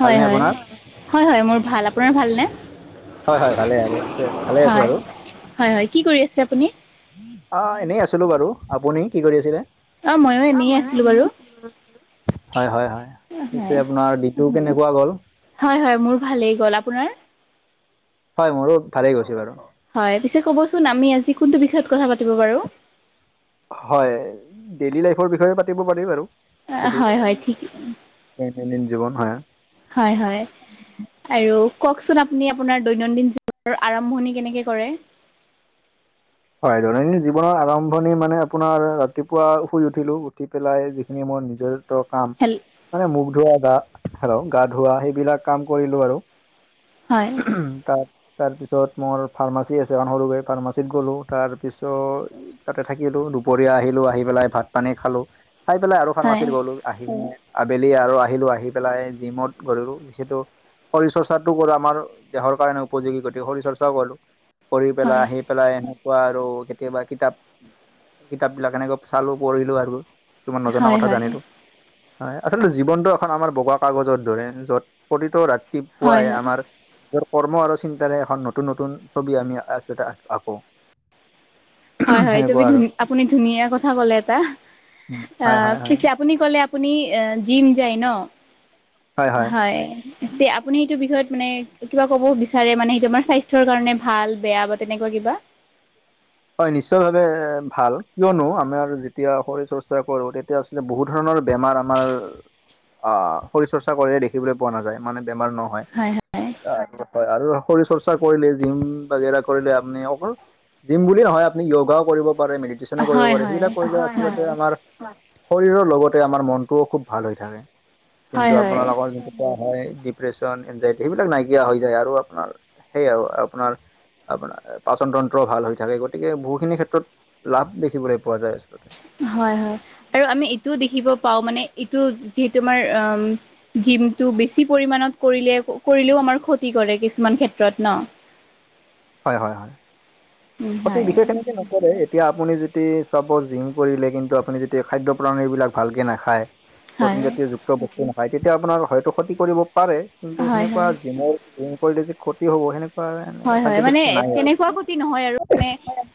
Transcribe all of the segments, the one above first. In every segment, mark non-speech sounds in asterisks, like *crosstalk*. হয় ভালনে হয়, আপোনাৰ? হয় হয় মোৰ ভাল। আপোনাৰ ভাল নে? হয় হয় ভালে আৰু আছে ভালে আছো হয় আৰু। হয় হয় কি কৰি আছে আপুনি? অ এনেই আছিলো বাৰু। আপুনি কি কৰি আছিলে? অ ময়ো অঁ এনেই মইও আছিলো এনে বাৰু আছিলোঁ। হয় হয় হয় পিছে হয় আপোনাৰ দি নটো কেনেকুৱা গ'ল? হয় হয় মোৰ ভালেই গ'ল। আপোনাৰ? হয় মোৰো ভালেই গৈছে বাৰু। হয় পিছে ক'বচোন আমি আজি কোনটো বিষয়ত কথা পাতিব পাৰোঁ হয় ডেইলি লাইফৰ বিষয়ে পাতিব পাৰি বাৰু যদি হয় হয় ঠিক দৈনন্দিন জীৱন হয় হয় হয়। আৰু কওকচোন আপুনি আপোনাৰ দৈনন্দিন জীৱনৰ আৰম্ভণি কেনেকে কৰে? হয় দৈনন্দিন জীৱনৰ আৰম্ভণি মানে আপোনাৰ ৰাতিপুৱা শুই উঠিলো উঠি পেলাই যিখিনি মই নিজৰ ত' কাম হেল মানে মুখ ধোৱা গা আৰু গা ধোৱা সেইবিলাক কাম কৰিলো আৰু হয় তাত তাৰ পিছত মোৰ ফাৰ্মাচী আছে এখন সৰুকৈ ফাৰ্মাচীত গ'লো তাৰপিছত তাতে থাকিলোঁ দুপৰীয়া আহিলোঁ আহি পেলাই ভাত পানী খালোঁ খাই পেলাই আৰু হয় ফাৰ্মাচীত গ'লো। আহিকিনে আবেলি আৰু আহিলো আহি পেলাই জিমত গলো যিহেতু শৰীৰ চৰ্চাটো কৰা আমাৰ দেহৰ কাৰণে উপযোগী গতিকে শৰীৰ চৰ্চাও কৰো কৰি পেলাই হয় আহি পেলাই কোৱা আৰু কেতিয়াবা কিতাপ কিতাপ বিলাক এনেকে চালো পঢ়িলো আৰু কিছুমান নজনা হয় কথা হয় জানিলো হয় আচলতে জীৱনটো এখন আমাৰ বগা কাগজৰ দৰে য'ত প্ৰতিটো ৰাতি হয় পুৱাই হয় আমাৰ নিজৰ কৰ্ম আৰু চিন্তাৰে এখন নতুন নতুন ছবি আমি আচলতে আঁকো। হয়, হয়, সেনেকুৱা তুমি আৰু আপুনি ধুনীয়া কথা কলে এটা উম, অ হয় হয় হয় পিছে আপুনি কলে আপুনি জিম যায় ন? হয়। তে আপুনি এইটো বিষয়ত মানে কিবা ক'ব বিচাৰে মানে সেইটো আমাৰ স্বাস্থ্যৰ কাৰণে ভাল বেয়া বা তেনেকুৱা কিবা? হয় নিশ্চয় ভাৱে এ ভাল কিয়নো আমাৰ যেতিয়া শৰীৰ চৰ্চা কৰো তেতিয়া বহুত ধৰণৰ বেমাৰ আমাৰ অঁ শৰীৰ চৰ্চা কৰিয়ে দেখিবলৈ পোৱা নাযায় মানে বেমাৰ নহয়। হয় হয়। *unintelligible* হয় আৰু শৰীৰ চৰ্চা কৰিলে, জিম বাগেৰা কৰিলে আপুনি অকল জিম বুলি নহয় আপুনি য়োগাও কৰিব পাৰে, মেডিটেশ্যন কৰিব হয় পাৰে, হয় সেইবিলাক *unintelligible* কৰিলে হয় আচলতে আমাৰ শৰীৰৰ লগতে আমাৰ মনটোও খুব ভাল হৈ থাকে। হয় হয় কিন্তু হয় আপোনালোকৰ *unintelligible* হয় ডিপ্ৰেচন, এনজাইটি সেইবিলাক নাইকিয়া হৈ যায় আৰু আপোনাৰ সেইয়া আৰু আপোনাৰ *unintelligible* আপোনাৰ পাচনতন্ত্ৰ ভাল হৈ থাকে। গতিকে বহুখিনি ক্ষেত্ৰত লাভ দেখিবলৈ পোৱা যায়, আচলতে। *unintelligible* হয়-হয়, আৰু আমি এইটোও দেখিব পাওঁ মানে এইটো যিহেতু আমাৰ আহ উম *unintelligible* জিমটো বেছি পৰিমানত কৰিলে-কৰিলেও আমাৰ ক্ষতি কৰে কিছুমান ক্ষেত্ৰত ন? *unintelligible* হয়-হয়-হয়। উম ক্ষতি হয় বিশেষ এনেকে নকৰে এতিয়া আপুনি যদি *unintelligible* যদি চাপ'জ জিম কৰিলে কিন্তু আপুনি যেতিয়া খাদ্য প্ৰণালীবিলাক ভালকে নাখায়, প্ৰটিন হয় জাতীয় *unintelligible* *unintelligible* বস্তু নাখায় তেতিয়া আপোনাৰ হয়তো ক্ষতি কৰিব পাৰে কিন্তু হয় সেনেকুৱা হয় জিমৰ কৰিলে যে ক্ষতি হ'ব সেনেকুৱা হয় হয় মানে চাইণ্টিফিক নাই আৰু। তেনেকুৱা ক্ষতি *unintelligible* নহয় আৰু মানে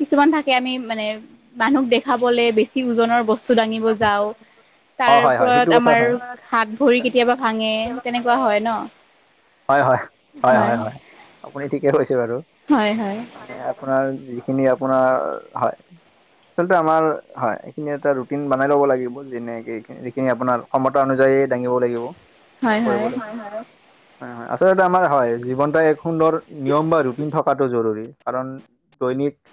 কিছুমান থাকে আমি মানে মানুহক দেখাবলে বেছি ওজনৰ বস্তু *unintelligible* *unintelligible* বস্তু দাঙিব যাওঁ, অ তাৰ হয় হয় সেইটো ওপৰত কথা আমাৰ হয়। হাত ভৰি কেতিয়াবা ভাঙে তেনেকুৱা হয় ন? *unintelligible* হয় হয়-হয়-হয়-হয়-হয়। *unintelligible* আপুনি ঠিকে কৈছে বাৰু হয় হয় মানে আপোনাৰ যিখিনি আপোনাৰ হয় *unintelligible* আচলতে আমাৰ হয় এইখিনি এটা ৰুটিন বনাই ল'ব লাগিব যেনেকে এই যিখিনি আপোনাৰ *unintelligible* সমতা অনুযায়ী দাঙিব লাগিব, হয় হয় কৰিবলৈ। *unintelligible* হয়-হয়। আচলতে আমাৰ হয় জীৱনটো এক সুন্দৰ নিয়ম বা ৰুটিন থকাটো জৰুৰী কাৰণ *unintelligible* দৈনিক *inaudible*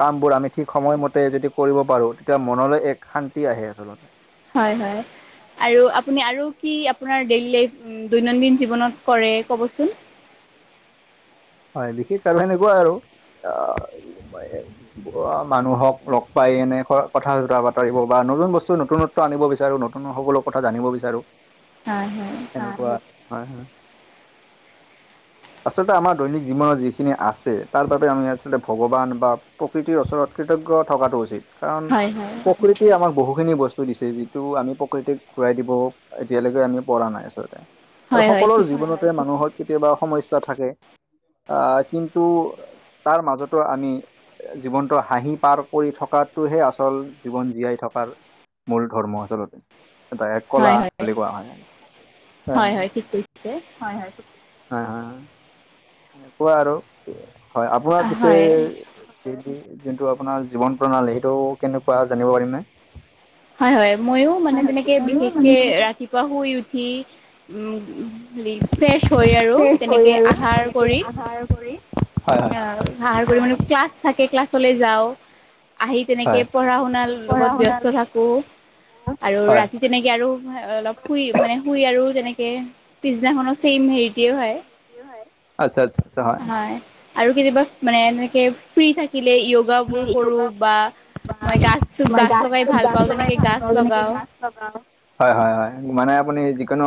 কামবোৰ আমি ঠিক সময়মতে যদি কৰিব পাৰোঁ, তেতিয়া মনলৈ এক শান্তি আহে আচলতে। হয়-হয়। *inaudible* আৰু আপুনি আৰু কি আপোনাৰ ডেইলি লাইফ দৈনন্দিন জীৱনত কৰে ক'বচোন? *unintelligible* হয়। বিশেষ কাৰণ সেনেকুৱা আৰু আহ *unintelligible* *unintelligible* মানুহক লগ পাই কিনে কথা-চথা পাতিবৰ বা নতুন বস্তু নতুনত *unintelligible* আনিব বিচাৰো, নতুন সকলো কথা জানিব বিচাৰো। হয়-হয়। *unintelligible* তেনেকুৱা *unintelligible* হয়-হয়। আচলতে আমাৰ দৈনিক জীৱনত যিখিনি আছে, তাৰ বাবে আমি আচলতে ভগৱান বা *unintelligible* প্ৰকৃতিৰ ওচৰত কৃতজ্ঞ থকাটো উচিত, কাৰণ হয় হয় প্ৰকৃতি *inaudible* প্ৰকৃতিয়ে আমাক বহুখিনি বস্তু দিছে, যিটো আমি প্ৰকৃতিক ঘূৰাই দিব *unintelligible* এতিয়ালৈকে আমি পৰা নাই আচলতে আৰু হয় হয় সকলো ঠিক জীৱনতে মানুহৰ কেতিয়াবা সমস্যা *unintelligible* সমস্যা থাকে *inaudible* আহ কিন্তু তাৰ মাজতো আমি জীৱনটো হাঁহি পাৰ কৰি থকাটোহে আচল জীৱন জীয়াই থকাৰ *unintelligible* মূল ধৰ্ম আচলতে, এটা এক কলা বুলি কোৱা হয়। *unintelligible* হয়-হয়, ঠিক কৈছে। হয়-হয়। *unintelligible* হয়-হয় এনেকুৱা আৰু হয়, আপোনাৰ পিছে *unintelligible* হয় *unintelligible* যোনটো আপোনাৰ জীৱন প্ৰণালী সেইটো কেনেকুৱা জানিব পাৰিম নে? হয়-হয়। ময়ো মানে তেনেকে বিশেষকে ৰাতি *unintelligible* ৰাতিপুৱা শুই উঠি *unintelligible* উম-উম *unintelligible* ফ্ৰেছ হৈ আৰু তেনেকে আহাৰ কৰি *unintelligible* হয় হয় আহ *unintelligible* ধাৰ কৰি মানে ক্লাছ থাকে ক্লাছ। ক্লাছলে যাওঁ, আহি তেনেকে হয় পঢ়াশুনাৰ লগত ব্যস্ত থাকোঁ। *unintelligible* আৰু হয় ৰাতি তেনেকে আৰু অলপ শুই মানে শুই আৰু তেনেকে *unintelligible* পিছদিনা খনো চেইম সেইটোৱে হয়। সেইটোৱে হয়। আচ্ছা-আচ্ছা হয়। হয়। আৰু কেতিয়াবা মানে এনেকে ফ্ৰি থাকিলে য যৌগাবোৰ কৰো বা মই গছ-গছ লগাই ভাল পাওঁ তেনেকে গাছ লগাও হয়-হয়-হয়, মানে আপুনি যিকোনো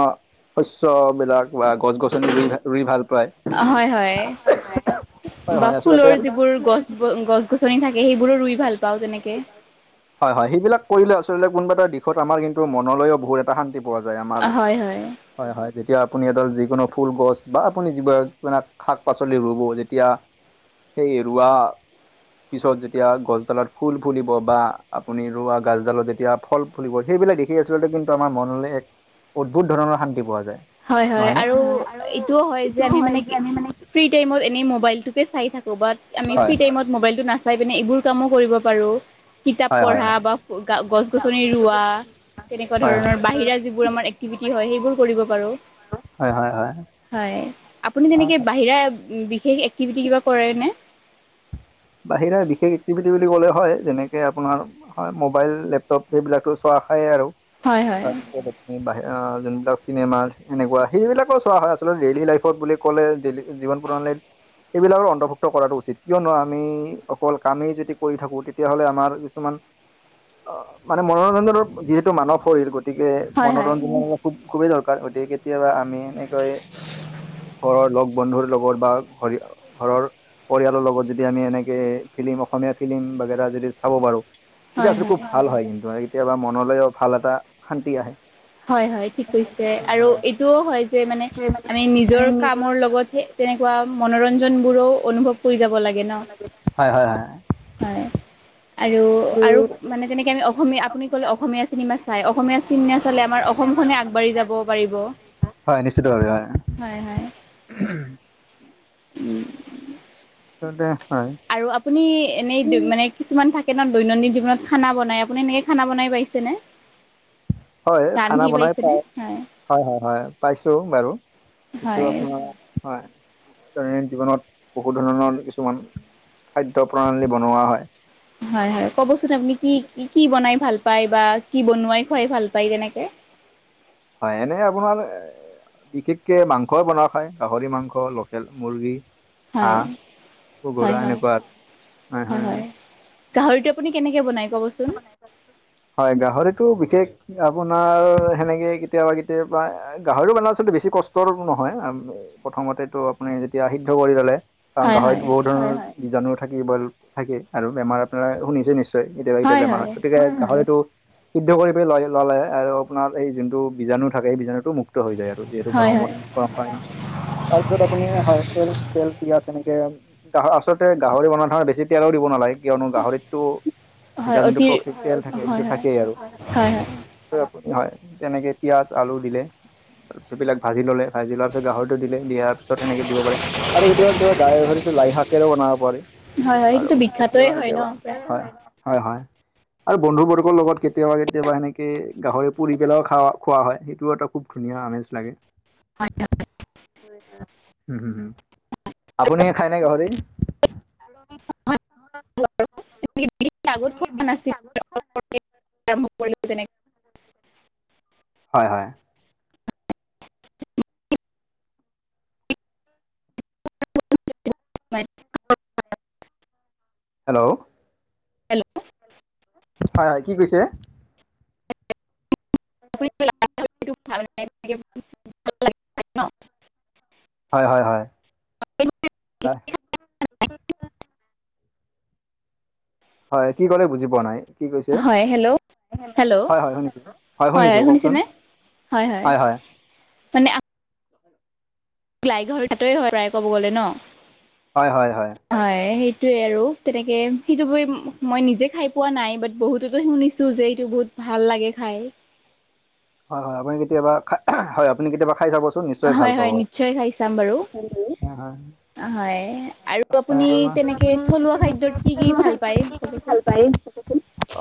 শস্যবিলাক বা গছ-গছনি ৰুই, ৰুই ভাল পায়। অ' হয়-হয় হয় বা হয় আচলতে ফুলৰ যিবোৰ গছ গছ-গছনি থাকে, সেইবোৰো ৰুই ভাল পাওঁ তেনেকে। হয়-হয়, সেইবিলাক কৰিলে আচলতে কোনোবা এটা দিশত আমাৰ কিন্তু মনলৈও বহুত এটা শান্তি পোৱা যায় আমাৰ হয় হয় হয়-হয় তেতিয়া আপুনি এডাল যিকোনো ফুল গছ বা আপুনি যিবিলাক শাক-পাচলি ৰুব যেতিয়া সেই ৰোৱা পিছত যেতিয়া গছডালত ফুল ফুলিব বা আপুনি ৰোৱা গছডালত যেতিয়া ফল ফুলিব, সেইবিলাক দেখি আচলতে কিন্তু আমাৰ মনলে এক অদ্ভুত ধৰণৰ শান্তি পোৱা যায়। হয়-হয় নহয়নে? আৰু এইটোও হয় যে আমি মানে কি ফ্ৰী টাইমত এনে মোবাইলটোকে চাই থাকো। বা আমি হয়। ফ্ৰী টাইমত মবাইলটো নাচাওঁ। চাই পিনে এইবোৰ কামো কৰিব পাৰো কিতাপ হয় হয় পঢ়া হয়। বা গছ-গছনি ৰোৱা। তেনেকুৱা হয় হয়। ধৰণৰ বাহিৰা যিবোৰ আমাৰ এক্টিভিটি হয় সেইবোৰ কৰিব পাৰোঁ। হয় হয় হয় হয়। আপুনি তেনেকে বাহিৰা বিশেষ এক্টিভিটি কিবা কৰে ন? বাহিৰে বিশেষ এক্টিভিটি বুলি ক'লে হয় যেনেকে আপোনাৰ হয় মোবাইল, লেপটপ সেইবিলাকো চোৱা হয় আৰু। হয় হয় এই বাহিৰত যোনবিলাক চিনেমা এনেকুৱা সেইবিলাকো চোৱা হয়। আচলতে ডেইলি লাইফত বুলি ক'লে জীৱন প্ৰণালী এইবিলাকৰ অন্তৰ্ভুক্ত কৰাটো উচিত। কিয়নো আৰু আমি অকল কামেই যদি কৰি থাকো, তেতিয়া হ'লে আমাৰ কিছুমান অ' মানে মনোৰঞ্জনৰ যিহেতু মানৱ শৰীৰ গতিকে হয় হয় মনোৰঞ্জনৰ খুব খুবেই দৰকাৰ গতিকে কেতিয়াবা আমি এনেকৈ ঘৰৰ লগ বন্ধুৰ লগত বা ঘৰৰ পৰিয়ালৰ লগত যদি যদি আমি এনেকে ফিলিম, অসমীয়া ফিলিম বাগেৰা যদি চাব পাৰো, এতিয়া আচলতে খুব ভাল হয় কিন্তু। কেতিয়াবা মনলৈও ভাল এটা শান্তি আহে। হয় হয় ঠিক কৈছে আৰু এইটোও হয় যে মানে আমি নিজৰ কামৰ লগতহে তেনেকুৱা মনোৰঞ্জন বোৰো অনুভৱ কৰি যাব লাগে। ন যাব লাগে। হয় হয় হয়। হয় আৰু আৰু মানে তেনেকে আমি অসমীয়া আপুনি ক'লে অসমীয়া চিনেমা চাই অসমীয়া চিন নাচালে আমাৰ অসমখনে আগবাঢ়ি যাব পাৰিব। হয় হয় উম উম হয় দে হয় আৰু আপুনি এনেই মানে কিছুমান থাকে ন দৈনন্দিন জীৱনত খানা বনাই, আপুনি এনেকে খানা বনাই পাইছেনে? হয় খানা ৰান্ধি বনাই পা পাইছেনে হয় হয় হয় পাইছো বাৰু। এইটো হয় আপোনাৰ হয় দৈনন্দিন জীৱনত বহু ধৰণৰ কিছুমান খাদ্য প্ৰণালী বনোৱা হয়। হয়, হয় কবচোন আপুনি কি কি বনাই ভাল পায় বা কি বনোৱাই খুৱাই ভাল পায় তেনেকে। হয়। এনেই আপোনাৰ *unintelligible* বিশেষকে মাংসই বনোৱা হয়। গাহৰি মাংস, লোকেল মুৰ্গী। *unintelligible* হয় হাঁহ *unintelligible* হয় পগৰা হয় এনেকুৱাত হয় হয় হয়-হয়-হয়। গাহৰিটো আপুনি কেনেকে বনায় ক'ব চোন? *unintelligible* হয়, গাহৰিটো বিশেষ আপোনাৰ সেনেকে কেতিয়াবা-কেতিয়াবা *unintelligible* গাহৰি বনোৱা আচলতে বেছি কষ্টৰ নহয়। প্ৰথমতেটো আপুনি যেতিয়া সিদ্ধ কৰি ললে *unintelligible* কাৰণ হয় হয় গাহৰিতো বহুত ধৰণৰ বীজাণু থাকে, বইল থাকে আৰু বেমাৰৰ পৰা *unintelligible* শুনিছে নিশ্চয় কেতিয়াবা *unintelligible* হয় বেমাৰ, হয় গতিকে গাহৰিটো *unintelligible* সিদ্ধ কৰি পেলাই লয় ল'লে আৰু আপোনাৰ এই যোনটো বজাণু থাকে এই বীজাণুটো মুক্ত *unintelligible* মুক্ত হৈ যায় আৰু যিহেতু হয় গৰমত হয় গৰম পানী *unintelligible* তাৰপিছত আপুনি হয়, তেল-তেল, পিয়াজ এনেকে *unintelligible* গাহ *unintelligible* আচলতে গাহৰি বনোৱা ধৰণে *inaudible* বেছি তেলও দিব নালাগে, কিয়নো গাহৰিতটো *unintelligible* হয় এতিয়া যোনটো অতি *unintelligible* থাকে, হয় সেইটো হয় থাকেই আৰু। হয় হয় হয়, তেনেকে পিয়াজ, আলু দিলে তাৰপিছত এইবিলাক ভাজি ললে *unintelligible* ভাজি লোৱাৰ পিছত গাহৰিটো দিলে, দিয়াৰ পিছত সেনেকে দিব পাৰে। *unintelligible* আৰু কেতিয়াবা-কেতিয়াবা গাহৰিটো লাই শাক শাকেৰেও বনাব পাৰি। হয়-হয়। *unintelligible* এইটোতো বিষাক্ত‌ই হয় ন' প্ৰায়। হয়-হয়। আৰু বন্ধু বৰ্গৰ লগত কেতিয়াবা-কেতিয়াবা এনেকে গাহৰি পুৰি পেলাইও খাৱা খোৱা হয়। সেইটোও এটা খুব *unintelligible* ধুনীয়া আমেজ লাগে। *inaudible* *unintelligible* উম-উম *inaudible* আপুনি খাই নে গাহৰি? *unintelligible* আগত খোৱা নাছিলোঁ *unintelligible* পতককে আৰম্ভ কৰিলোঁ তেনেকে হয়-হয়। *unintelligible* হেল্ল'? *inaudible* হয়-হয়। কি কৈছে? আপুনি কিবা *unintelligible* হয়-হয়-হয়। হয়। কি ক'লে বুজি পোৱা নাই? *inaudible* কি কৈছে? *unintelligible* হয় হেল্ল' হেল্ল' হয়-হয় শুনিছো। হয় শুনিছোঁ, কওক চোন? হয়-হয়। মানে *unintelligible* *unintelligible* ঘৰ *unintelligible* হয় প্ৰায় ক'ব গ'লে ন'? হয়-হয়-হয়। হয়, সেইটোৱেই আৰু তেনেকে সেইটো *unintelligible* মই নিজে খাই পোৱা নাই, বাট বহুতেতো শুনিছোঁ *unintelligible* শুনিছোঁ যে এইটো বহুত ভাল লাগে খায়। হয়-হয় আপুনি কেতিয়াবা *unintelligible* হয় আপুনি কেতিয়াবা খাই চাব চোন। *unintelligible* নিশ্চয় ভাল হয় পাব। *inaudible* হয় নিশ্চয় খাই চাম বাৰু *unintelligible* হয় আৰু আপুনি তেনেকে আপুনি থলুৱা খাদ্যত কি কি ভাল পায় তেনেকে *unintelligible* ক'বচোন ভাল পায়?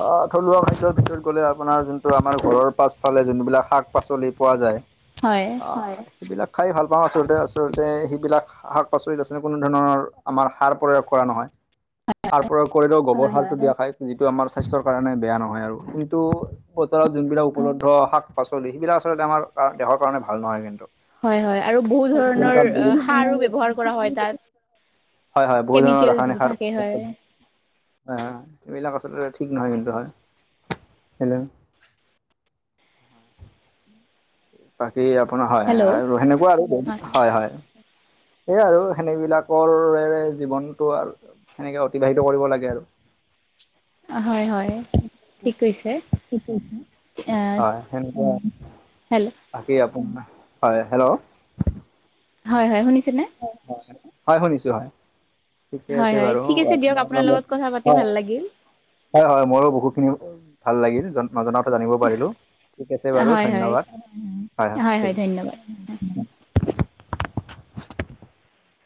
অ থলুৱা খাদ্য ভিতৰত গ'লে আপোনাৰ যোনটো আমাৰ ঘৰৰ পাচ *unintelligible* পাছফালে যোনবিলাক শাক-পাচলি পোৱা যায়। *unintelligible* হয়। *unintelligible* অ *unintelligible* সেইবিলাক খাই ভাল পাওঁ, আচলতে-আচলতে সেইবিলাক শাক-পাচলিত আচলতে কোনো ধৰণৰ আমাৰ সাৰ প্ৰয়োগ কৰা নহয়। *unintelligible* সাৰ প্ৰয়োগ কৰিলেও গোবৰ সাৰটো দিয়া হয়। যিটো আমাৰ স্বাস্থ্যৰ কাৰণে বেয়া নহয় আৰু কিন্তু *unintelligible* বতৰত যোনবিলাক উপলব্ধ শাক-পাচলি সেইবিলাক আচলতে আমাৰ দেহৰ কাৰণে ভাল নহয় কিন্তু। হয় হয় আৰু বহু *unintelligible* হয়, ধৰণৰ কেনেকা আছ? অ, আজি কি‌ সাৰো ব্যৱহাৰ কৰা হয় বনালি? তাত হয় - হয় বহুত ধৰণৰ কেমিকেল ৰাসায়নিক যিটো সাৰ', থাকে হয় অ' এইবিলাক আচলতে ঠিক নহয় কিন্তু হয়, হ'লেও', বাকী আপোনাৰ হয় -হয় হেল্ল' আৰু সেনেকুৱা আৰু হয় - হয়', সেয়াই আৰু সেনে বিলাকৰ ৰেৰেৰে', জীৱনটো আৰু সেনেকে অতিবাহিত কৰিব লাগে আৰু', অহ', -হয় - হয়', ঠিক কৈছে কি কৰিছা? অ, হয়, হয় নেকি অহ', হেল্ল' বাকী আপোনাৰ, হয়, হেল্ল', হয় - হয়, শুনিছে নে? হেল্ল', অ', হয়, হয় শুনিছোঁ হয়', ঠিকে হয় আছে হয় বাৰু, ঠিক আছে দিয়ক আপোনাৰ লগত পাতি কথা', ভাল লাগিল হয় - হয় মোৰো বহুখিনি এই ভাল লাগিল জন', নজনাওঁতো জানিব পাৰিলোঁ, ঠিক আছে বাৰু হয় হয় ধন্যবাদ, হয় - হয় ঠিক আছে', উমউম',